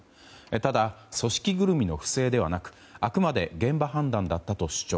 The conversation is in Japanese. ただ、組織ぐるみの不正ではなくあくまで現場判断だったと主張。